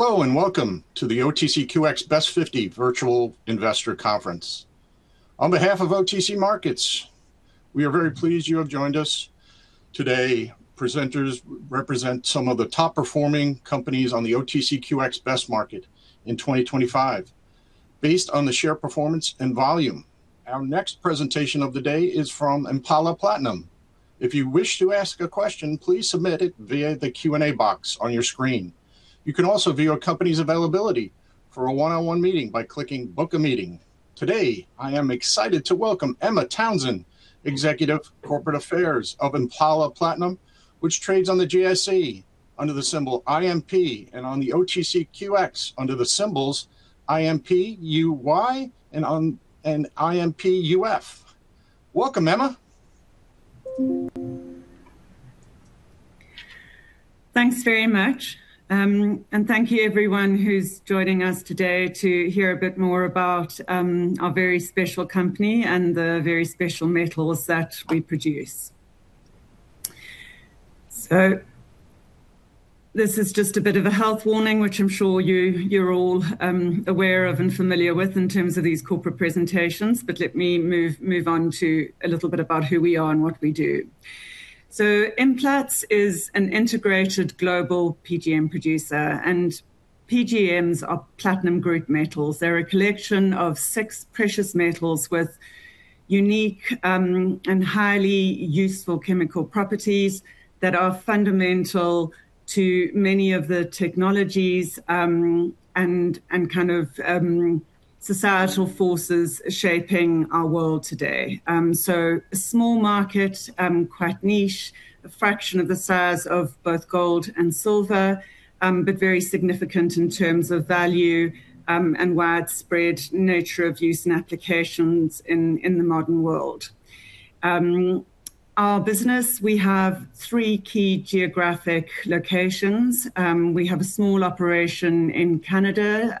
Hello and welcome to the OTCQX Best 50 Virtual Investor Conference. On behalf of OTC Markets, we are very pleased you have joined us today. Presenters represent some of the top-performing companies on the OTCQX Best Market in 2025 based on the share performance and volume. Our next presentation of the day is from Impala Platinum. If you wish to ask a question, please submit it via the Q&A box on your screen. You can also view a company's availability for a one-on-one meeting by clicking Book a Meeting. Today, I am excited to welcome Emma Townshend, Executive: Corporate Affairs, of Impala Platinum, which trades on the JSE under the symbol IMP and on the OTCQX under the symbols IMPUY and IMPUF. Welcome, Emma. Thanks very much. Thank you everyone who's joining us today to hear a bit more about our very special company and the very special metals that we produce. This is just a bit of a health warning, which I'm sure you're all aware of and familiar with in terms of these corporate presentations. Let me move on to a little bit about who we are and what we do. Implats is an integrated global PGM producer, and PGMs are platinum group metals. They're a collection of six precious metals with unique and highly useful chemical properties that are fundamental to many of the technologies and kind of societal forces shaping our world today. A small market, quite niche. A fraction of the size of both gold and silver, but very significant in terms of value, and widespread nature of use and applications in the modern world. Our business, we have three key geographic locations. We have a small operation in Canada,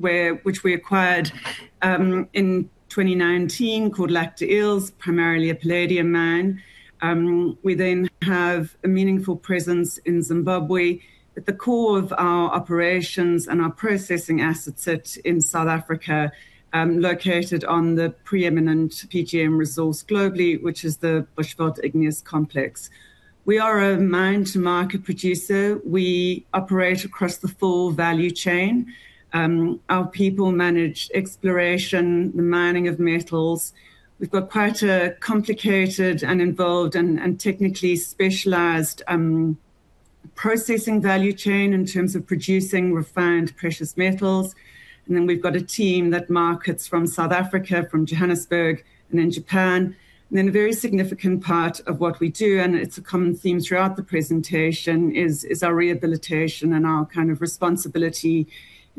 which we acquired in 2019 called Lac des Îles, primarily a palladium mine. We then have a meaningful presence in Zimbabwe. At the core of our operations and our processing assets sit in South Africa, located on the pre-eminent PGM resource globally, which is the Bushveld Igneous Complex. We are a mine-to-market producer. We operate across the full value chain. Our people manage exploration, the mining of metals. We've got quite a complicated and involved and technically specialized processing value chain in terms of producing refined precious metals. We've got a team that markets from South Africa, from Johannesburg and in Japan. A very significant part of what we do, and it's a common theme throughout the presentation, is our rehabilitation and our kind of responsibility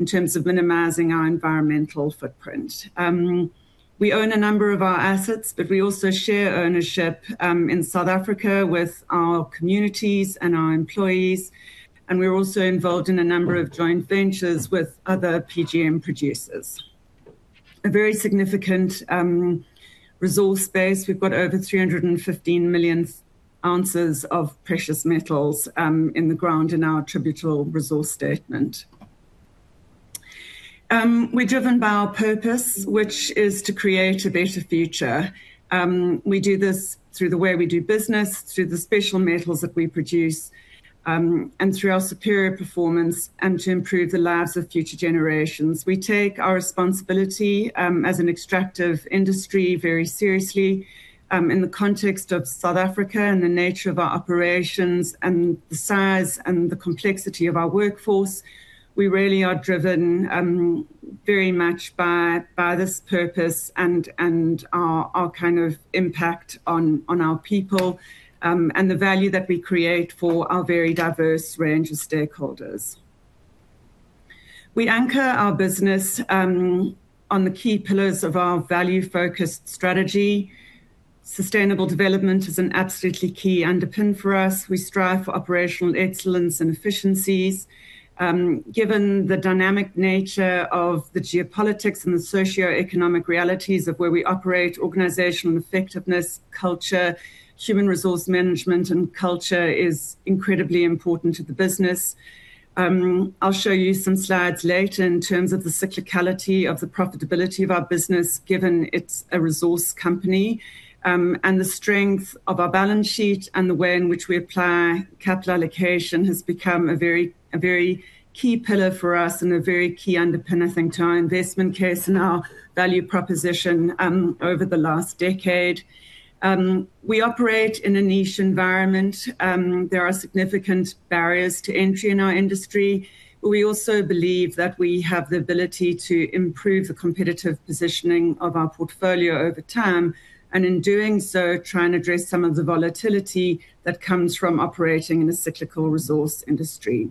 in terms of minimizing our environmental footprint. We own a number of our assets, but we also share ownership in South Africa with our communities and our employees, and we're also involved in a number of joint ventures with other PGM producers. A very significant resource base. We've got over 315 million ounces of precious metals in the ground in our attributable resource statement. We're driven by our purpose, which is to create a better future. We do this through the way we do business, through the special metals that we produce, and through our superior performance and to improve the lives of future generations. We take our responsibility as an extractive industry very seriously in the context of South Africa and the nature of our operations and the size and the complexity of our workforce. We really are driven very much by this purpose and our kind of impact on our people and the value that we create for our very diverse range of stakeholders. We anchor our business on the key pillars of our value-focused strategy. Sustainable development is an absolutely key underpin for us. We strive for operational excellence and efficiencies. Given the dynamic nature of the geopolitics and the socioeconomic realities of where we operate, organizational effectiveness, culture, human resource management and culture is incredibly important to the business. I'll show you some slides later in terms of the cyclicality of the profitability of our business, given it's a resource company. The strength of our balance sheet and the way in which we apply capital allocation has become a very key pillar for us and a very key underpinning to our investment case and our value proposition over the last decade. We operate in a niche environment. There are significant barriers to entry in our industry. We also believe that we have the ability to improve the competitive positioning of our portfolio over time, and in doing so, try and address some of the volatility that comes from operating in a cyclical resource industry.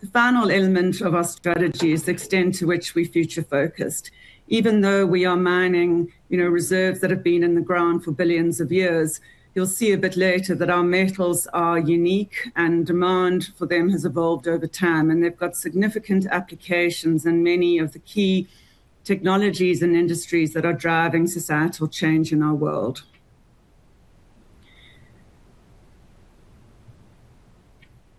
The final element of our strategy is the extent to which we're future-focused. Even though we are mining, you know, reserves that have been in the ground for billions of years, you'll see a bit later that our metals are unique and demand for them has evolved over time, and they've got significant applications in many of the key technologies and industries that are driving societal change in our world.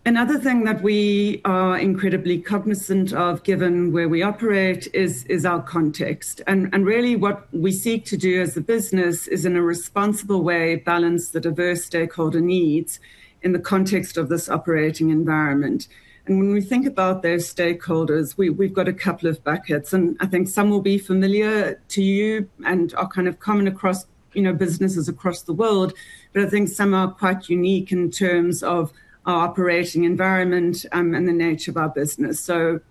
Another thing that we are incredibly cognizant of, given where we operate, is our context. Really what we seek to do as a business is in a responsible way balance the diverse stakeholder needs in the context of this operating environment. When we think about those stakeholders, we've got a couple of buckets, and I think some will be familiar to you and are kind of common across, you know, businesses across the world. I think some are quite unique in terms of our operating environment and the nature of our business.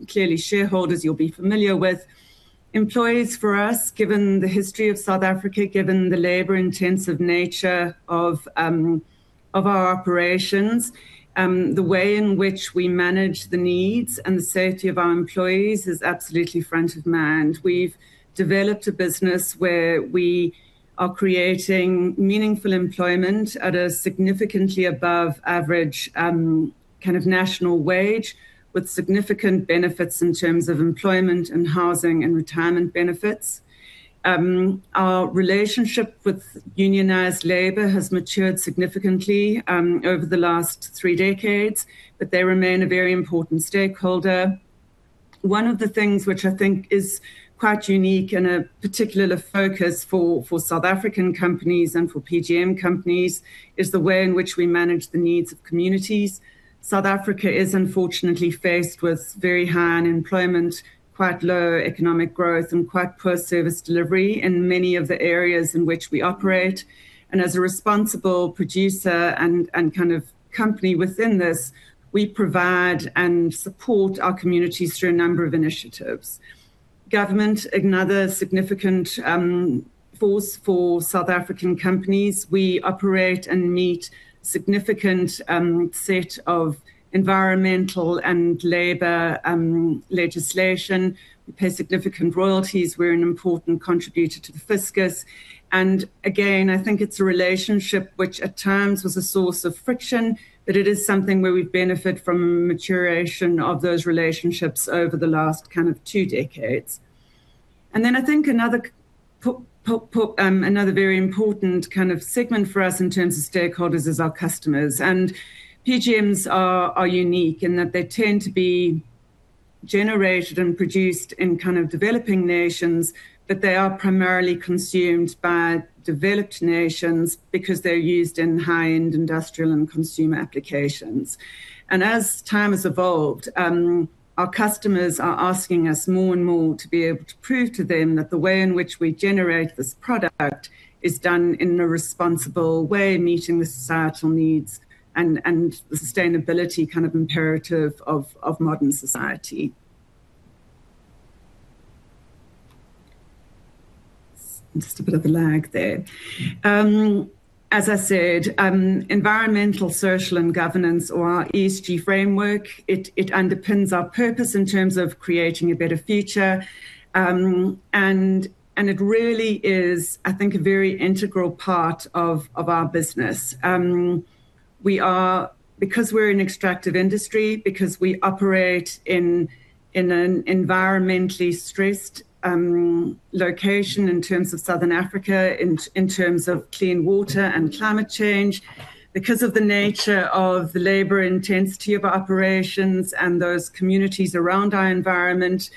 Clearly, shareholders you'll be familiar with. Employees for us, given the history of South Africa, given the labor-intensive nature of our operations, the way in which we manage the needs and the safety of our employees is absolutely front of mind. We've developed a business where we are creating meaningful employment at a significantly above average kind of national wage with significant benefits in terms of employment and housing and retirement benefits. Our relationship with unionized labor has matured significantly over the last three decades, but they remain a very important stakeholder. One of the things which I think is quite unique and a particular focus for South African companies and for PGM companies is the way in which we manage the needs of communities. South Africa is unfortunately faced with very high unemployment, quite low economic growth, and quite poor service delivery in many of the areas in which we operate. As a responsible producer and kind of company within this, we provide and support our communities through a number of initiatives. Government, another significant force for South African companies. We operate and meet significant set of environmental and labor legislation. We pay significant royalties. We're an important contributor to the fiscus. Again, I think it's a relationship which at times was a source of friction, but it is something where we've benefited from maturation of those relationships over the last kind of two decades. I think another very important kind of segment for us in terms of stakeholders is our customers. PGMs are unique in that they tend to be generated and produced in kind of developing nations, but they are primarily consumed by developed nations because they're used in high-end industrial and consumer applications. As time has evolved, our customers are asking us more and more to be able to prove to them that the way in which we generate this product is done in a responsible way, meeting the societal needs and the sustainability kind of imperative of modern society. Just a bit of a lag there. As I said, environmental, social, and governance or our ESG framework, it underpins our purpose in terms of creating a better future. It really is I think a very integral part of our business. Because we're an extractive industry, because we operate in an environmentally stressed location in terms of Southern Africa, in terms of clean water and climate change, because of the nature of the labor intensity of our operations and those communities around our environment,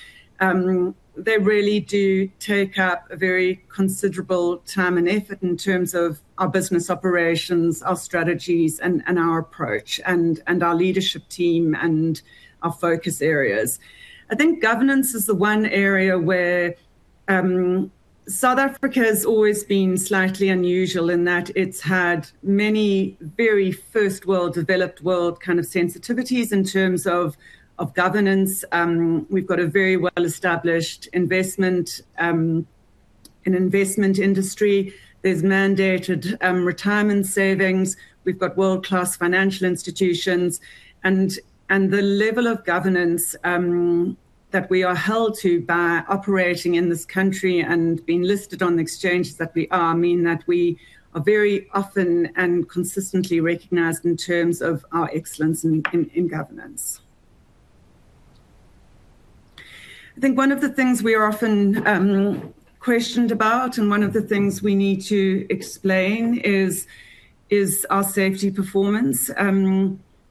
they really do take up a very considerable time and effort in terms of our business operations, our strategies, and our approach and our leadership team and our focus areas. I think governance is the one area where South Africa has always been slightly unusual in that it's had many very first world, developed world kind of sensitivities in terms of governance. We've got a very well-established investment industry. There's mandated retirement savings. We've got world-class financial institutions. The level of governance that we are held to by operating in this country and being listed on the exchanges that we are mean that we are very often and consistently recognized in terms of our excellence in governance. I think one of the things we are often questioned about and one of the things we need to explain is our safety performance.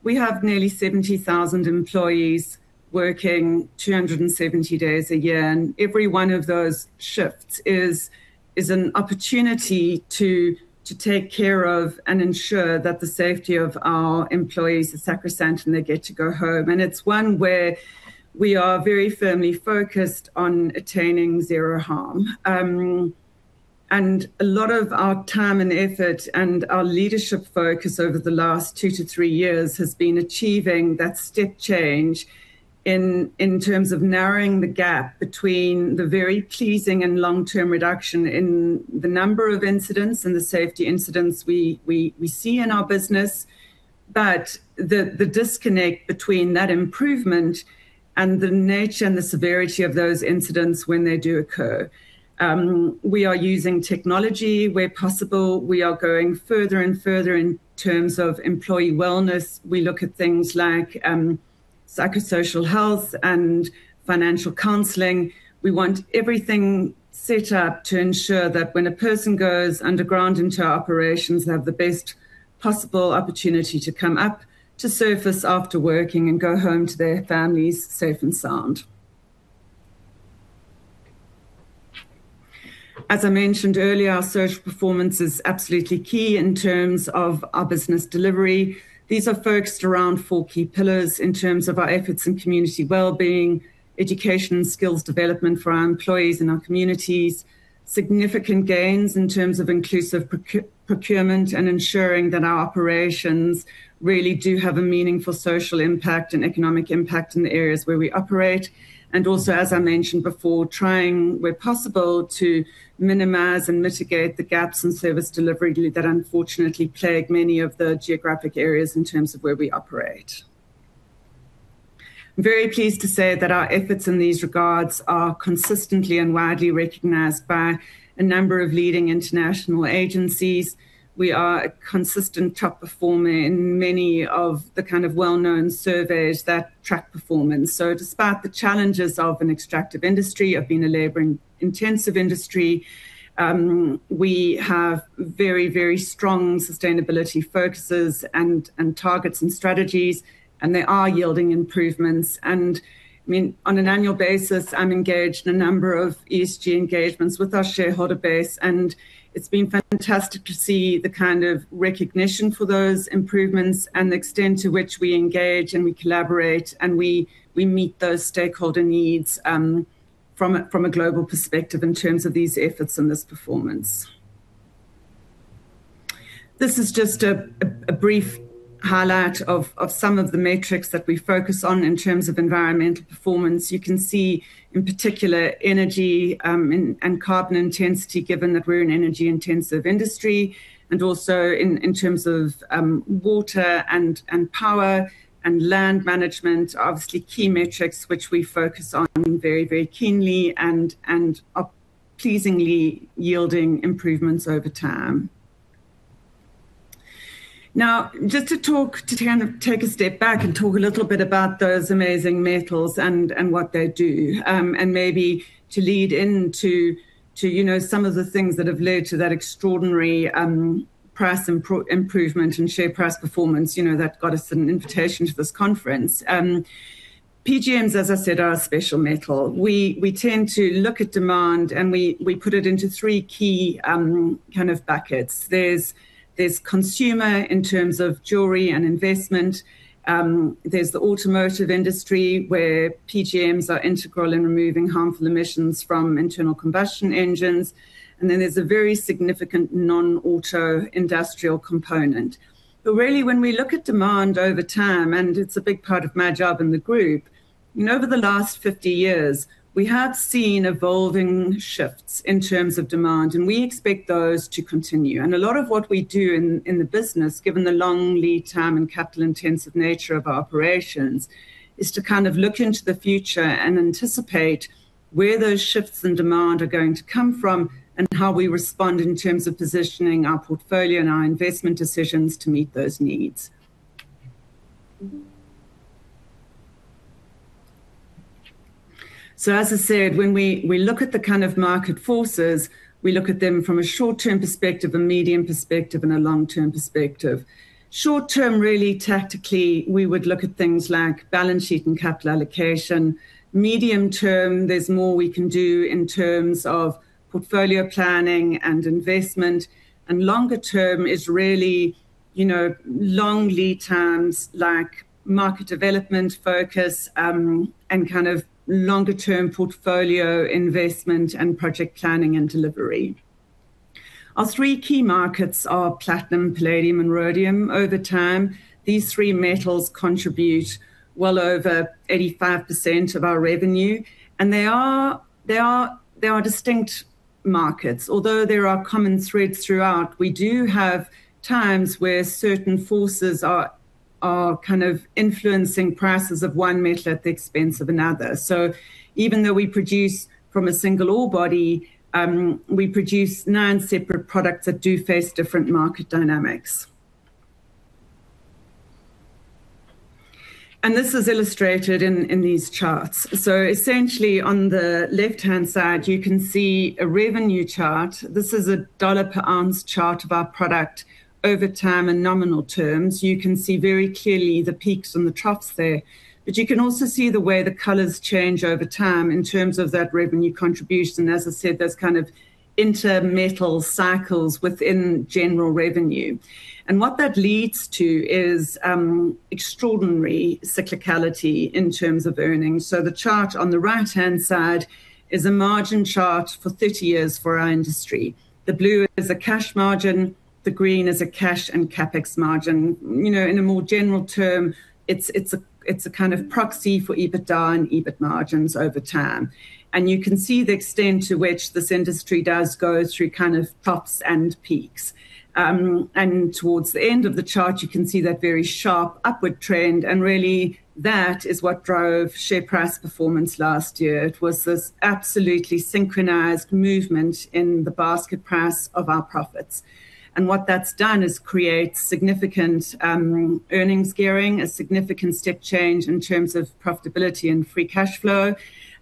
We have nearly 70,000 employees working 270 days a year, and every one of those shifts is an opportunity to take care of and ensure that the safety of our employees is sacrosanct and they get to go home. It's one where we are very firmly focused on attaining zero harm. A lot of our time and effort and our leadership focus over the last two to three years has been achieving that step change in terms of narrowing the gap between the very pleasing and long-term reduction in the number of incidents and the safety incidents we see in our business. The disconnect between that improvement and the nature and the severity of those incidents when they do occur. We are using technology where possible. We are going further and further in terms of employee wellness. We look at things like psychosocial health and financial counseling. We want everything set up to ensure that when a person goes underground into our operations, they have the best possible opportunity to come up to surface after working and go home to their families safe and sound. As I mentioned earlier, our social performance is absolutely key in terms of our business delivery. These are focused around four key pillars in terms of our efforts in community wellbeing, education and skills development for our employees and our communities, significant gains in terms of inclusive procurement, and ensuring that our operations really do have a meaningful social impact and economic impact in the areas where we operate. Also, as I mentioned before, trying where possible to minimize and mitigate the gaps in service delivery that unfortunately plague many of the geographic areas in terms of where we operate. I'm very pleased to say that our efforts in these regards are consistently and widely recognized by a number of leading international agencies. We are a consistent top performer in many of the kind of well-known surveys that track performance. Despite the challenges of an extractive industry, of being a labor-intensive industry, we have very, very strong sustainability focuses and targets and strategies, and they are yielding improvements. I mean, on an annual basis, I'm engaged in a number of ESG engagements with our shareholder base, and it's been fantastic to see the kind of recognition for those improvements and the extent to which we engage and we collaborate and we meet those stakeholder needs, from a global perspective in terms of these efforts and this performance. This is just a brief highlight of some of the metrics that we focus on in terms of environmental performance. You can see in particular energy and carbon intensity, given that we're an energy-intensive industry, and also in terms of water and power and land management, obviously key metrics which we focus on very keenly and are pleasingly yielding improvements over time. Now, just to talk, to kind of take a step back and talk a little bit about those amazing metals and what they do, and maybe to lead into, you know, some of the things that have led to that extraordinary price improvement and share price performance, you know, that got us an invitation to this conference. PGMs, as I said, are a special metal. We tend to look at demand and we put it into three key kind of buckets. There's consumer in terms of jewelry and investment. There's the automotive industry where PGMs are integral in removing harmful emissions from internal combustion engines. Then there's a very significant non-auto industrial component. Really when we look at demand over time, and it's a big part of my job in the group, you know, over the last 50 years we have seen evolving shifts in terms of demand, and we expect those to continue. A lot of what we do in the business, given the long lead time and capital intensive nature of our operations, is to kind of look into the future and anticipate where those shifts in demand are going to come from and how we respond in terms of positioning our portfolio and our investment decisions to meet those needs. As I said, when we look at the kind of market forces, we look at them from a short-term perspective, a medium perspective, and a long-term perspective. Short-term, really tactically, we would look at things like balance sheet and capital allocation. Medium-term, there's more we can do in terms of portfolio planning and investment. Longer term is really, you know, long lead times like market development focus, and kind of longer term portfolio investment and project planning and delivery. Our three key markets are platinum, palladium and rhodium. Over time, these three metals contribute well over 85% of our revenue. They are distinct markets. Although there are common threads throughout, we do have times where certain forces are kind of influencing prices of one metal at the expense of another. Even though we produce from a single ore body, we produce nine separate products that do face different market dynamics. This is illustrated in these charts. Essentially on the left-hand side, you can see a revenue chart. This is a dollar per ounce chart of our product over time in nominal terms. You can see very clearly the peaks and the troughs there, but you can also see the way the colors change over time in terms of that revenue contribution. As I said, those kind of intermetal cycles within general revenue. What that leads to is extraordinary cyclicality in terms of earnings. The chart on the right-hand side is a margin chart for 30 years for our industry. The blue is a cash margin, the green is a cash and CapEx margin. You know, in a more general term, it's a kind of proxy for EBITDA and EBIT margins over time. You can see the extent to which this industry does go through kind of troughs and peaks. Towards the end of the chart you can see that very sharp upward trend and really that is what drove share price performance last year. It was this absolutely synchronized movement in the basket price of our PGMs. What that's done is create significant earnings gearing, a significant step change in terms of profitability and free cash flow,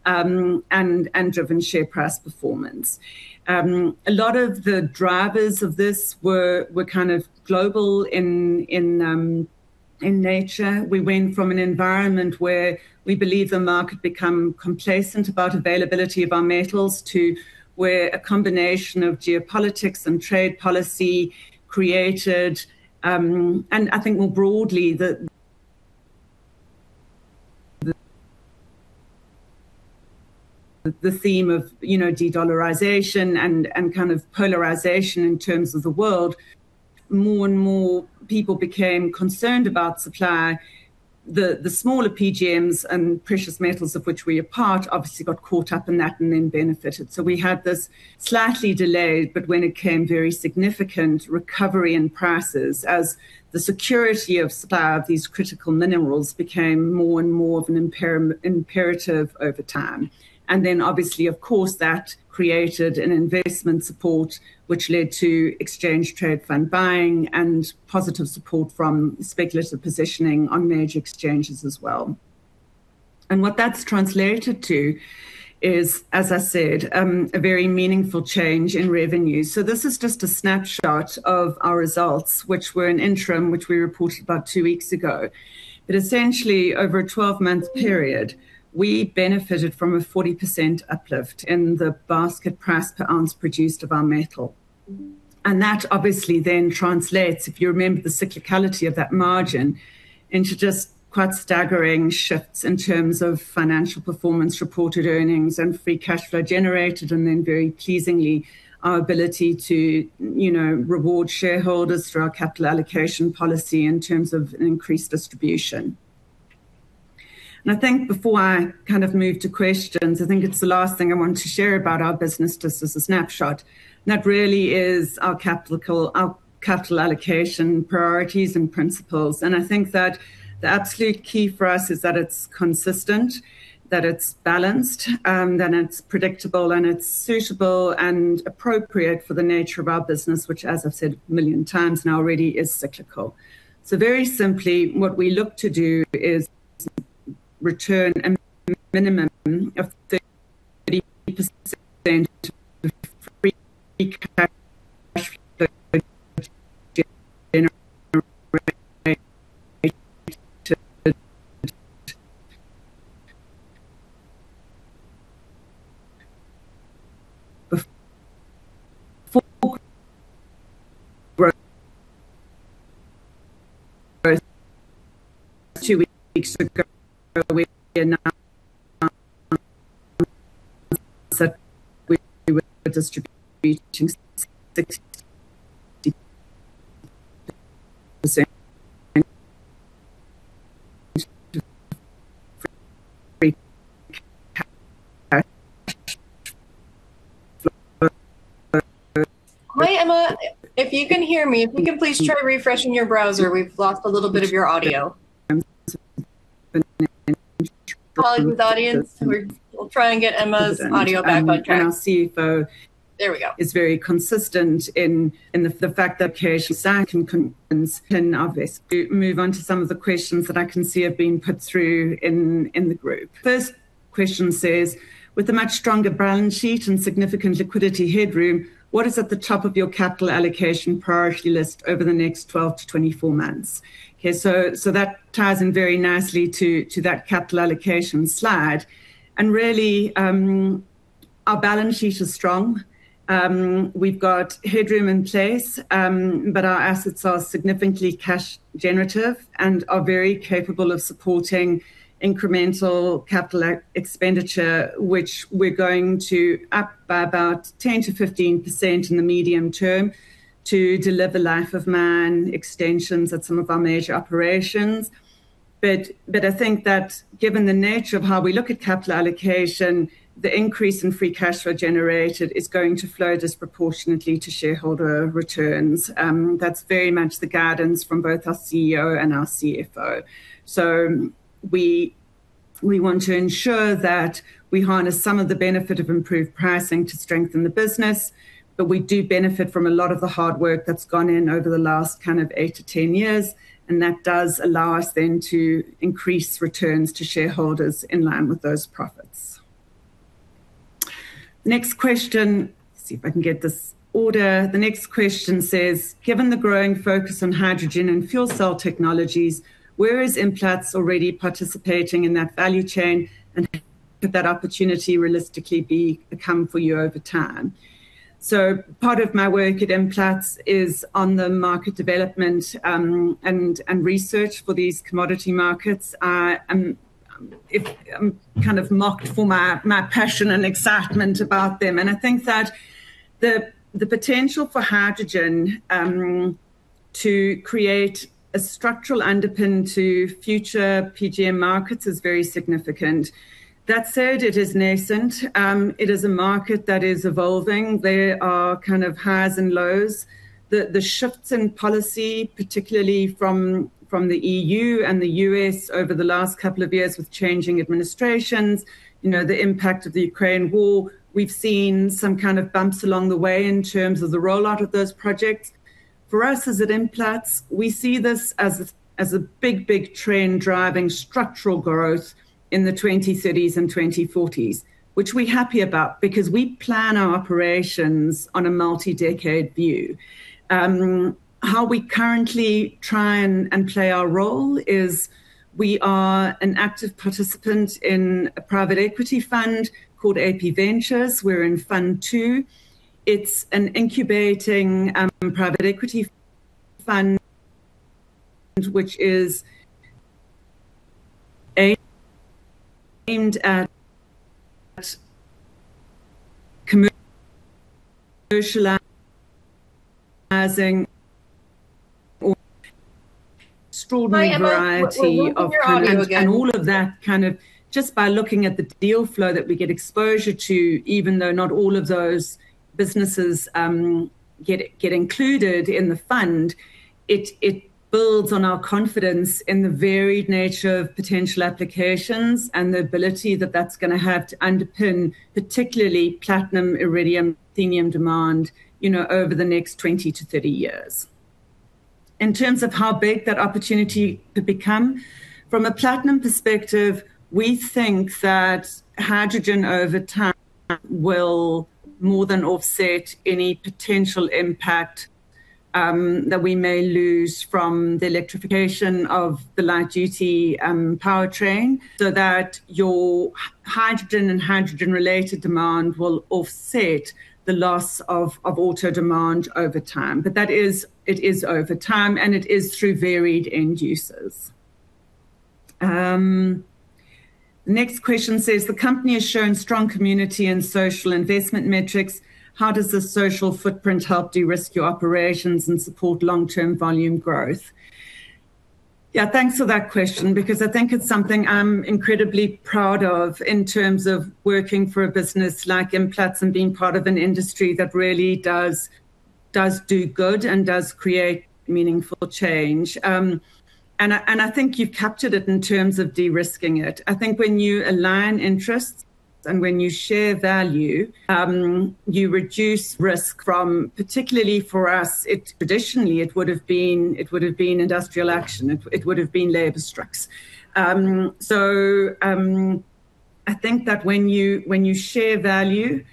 and driven share price performance. A lot of the drivers of this were kind of global in nature. We went from an environment where we believe the market become complacent about availability of our metals to where a combination of geopolitics and trade policy created, and I think more broadly the theme of, you know, de-dollarization and kind of polarization in terms of the world. More and more people became concerned about supply. The smaller PGMs and precious metals of which we are part obviously got caught up in that and then benefited. We had this slightly delayed, but when it came very significant recovery in prices as the security of supply of these critical minerals became more and more of an imperative over time. Obviously, of course, that created an investment support which led to exchange-traded fund buying and positive support from speculative positioning on major exchanges as well. What that's translated to is, as I said, a very meaningful change in revenue. This is just a snapshot of our results, which were an interim, which we reported about two weeks ago. Essentially, over a 12-month period, we benefited from a 40% uplift in the basket price per ounce produced of our metal. That obviously then translates, if you remember the cyclicality of that margin, into just quite staggering shifts in terms of financial performance, reported earnings and free cash flow generated and then very pleasingly, our ability to, you know, reward shareholders through our capital allocation policy in terms of an increased distribution. I think before I kind of move to questions, I think it's the last thing I want to share about our business just as a snapshot. That really is our capital allocation priorities and principles. I think that the absolute key for us is that it's consistent, that it's balanced, that it's predictable and it's suitable and appropriate for the nature of our business which as I've said a million times now already is cyclical. Very simply, what we look to do is return a minimum of 30% of free cash flow generated Hi, Emma. If you can hear me, if we can please try refreshing your browser. We've lost a little bit of your audio. Colleagues, audience, we'll try and get Emma's audio back but. Our CFO. There we go. is very consistent in the fact that Meroonisha Kerber can obviously move on to some of the questions that I can see have been put through in the group. First question says: With a much stronger balance sheet and significant liquidity headroom, what is at the top of your capital allocation priority list over the next 12-24 months? Okay. That ties in very nicely to that capital allocation slide. Really, our balance sheet is strong. We've got headroom in place, but our assets are significantly cash generative and are very capable of supporting incremental capital expenditure, which we're going to up by about 10%-15% in the medium term to deliver life of mine extensions at some of our major operations. I think that given the nature of how we look at capital allocation, the increase in free cash flow generated is going to flow disproportionately to shareholder returns. That's very much the guidance from both our CEO and our CFO. We want to ensure that we harness some of the benefit of improved pricing to strengthen the business, but we do benefit from a lot of the hard work that's gone in over the last kind of eight to 10 years, and that does allow us then to increase returns to shareholders in line with those profits. Next question. Let's see if I can get this order. The next question says: Given the growing focus on hydrogen and fuel cell technologies, where is Implats already participating in that value chain, and could that opportunity realistically become for you over time? Part of my work at Implats is on the market development, and research for these commodity markets. I'm kind of mocked for my passion and excitement about them. I think that the potential for hydrogen to create a structural underpin to future PGM markets is very significant. That said, it is nascent. It is a market that is evolving. There are kind of highs and lows. The shifts in policy, particularly from the EU and the US over the last couple of years with changing administrations, you know, the impact of the Ukraine war. We've seen some kind of bumps along the way in terms of the rollout of those projects. For us as at Implats, we see this as a big trend driving structural growth in the 2030s and 2040s, which we're happy about because we plan our operations on a multi-decade view. How we currently try and play our role is we are an active participant in a private equity fund called AP Ventures. We're in Fund II. It's an incubating private equity fund which is aimed at commercializing extraordinary variety of- Hi, Emma. We're losing your audio again. All of that kind of just by looking at the deal flow that we get exposure to, even though not all of those businesses get included in the fund, it builds on our confidence in the varied nature of potential applications and the ability that that's gonna have to underpin particularly platinum, iridium, ruthenium demand, you know, over the next 20-30 years. In terms of how big that opportunity could become, from a platinum perspective, we think that hydrogen over time will more than offset any potential impact that we may lose from the electrification of the light-duty powertrain, so that your hydrogen and hydrogen related demand will offset the loss of auto demand over time. That is over time, and it is through varied end uses. Next question says, "The company has shown strong community and social investment metrics. How does the social footprint help de-risk your operations and support long-term volume growth?" Yeah, thanks for that question because I think it's something I'm incredibly proud of in terms of working for a business like Implats and being part of an industry that really does do good and does create meaningful change. And I think you've captured it in terms of de-risking it. I think when you align interests and when you share value, you reduce risk from particularly for us. It traditionally would've been industrial action. It would've been labor strikes. I think that when you share value,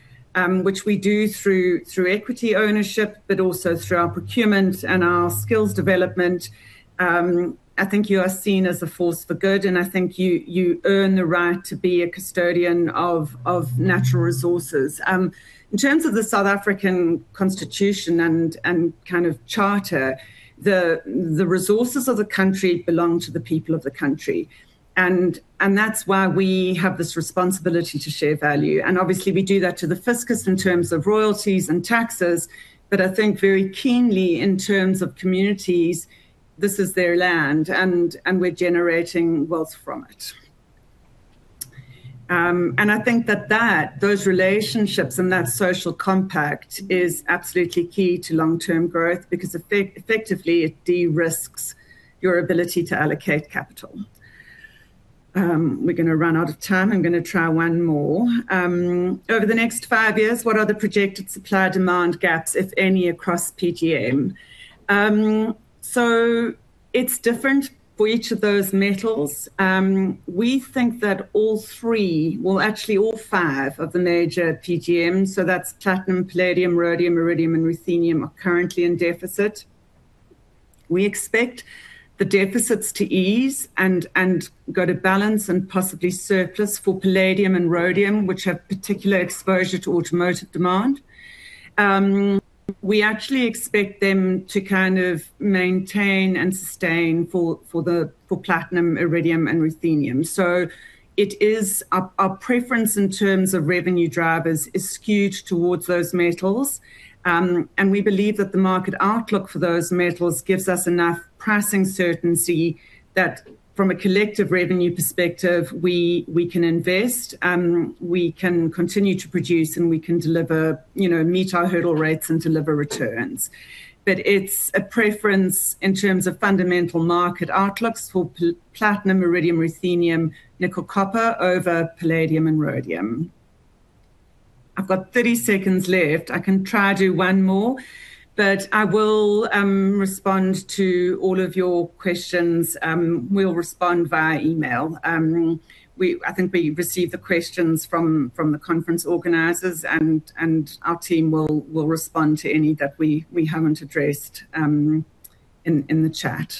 which we do through equity ownership but also through our procurement and our skills development, I think you are seen as a force for good, and I think you earn the right to be a custodian of natural resources. In terms of the South African constitution and kind of charter, the resources of the country belong to the people of the country and that's why we have this responsibility to share value. Obviously we do that to the fiscus in terms of royalties and taxes, but I think very keenly in terms of communities, this is their land and we're generating wealth from it. I think that those relationships and that social compact is absolutely key to long-term growth because effectively it de-risks your ability to allocate capital. We're gonna run out of time. I'm gonna try one more. Over the next five years, what are the projected supply-demand gaps, if any, across PGM? It's different for each of those metals. We think that all three... well, actually all five of the major PGMs, so that's Platinum, Palladium, Rhodium, Iridium, and Ruthenium, are currently in deficit. We expect the deficits to ease and go to balance and possibly surplus for Palladium and Rhodium, which have particular exposure to automotive demand. We actually expect them to kind of maintain and sustain for Platinum, Iridium and Ruthenium. It is our preference in terms of revenue drivers is skewed towards those metals. We believe that the market outlook for those metals gives us enough pricing certainty that from a collective revenue perspective, we can invest, we can continue to produce and we can deliver, you know, meet our hurdle rates and deliver returns. It's a preference in terms of fundamental market outlooks for platinum, iridium, ruthenium, nickel, copper over palladium and rhodium. I've got 30 seconds left. I can try to do one more, but I will respond to all of your questions. We'll respond via email. I think we receive the questions from the conference organizers and our team will respond to any that we haven't addressed in the chat.